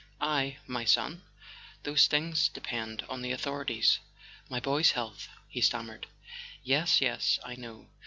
"I—my son ? Those things depend on the authorities. My boy's health . .he stammered. "Yes, yes; I know.